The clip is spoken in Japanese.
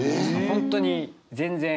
本当に全然。